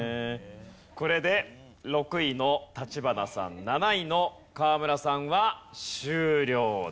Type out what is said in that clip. これで６位の橘さん７位の河村さんは終了です。